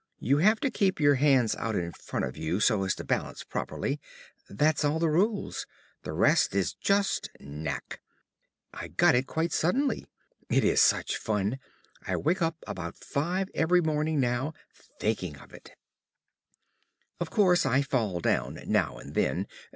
You have to keep your hands out in front of you, so as to balance properly. That's all the rules the rest is just knack. I got it quite suddenly. It is such fun; I wake up about five every morning now, thinking of it. Of course I fall down now and then.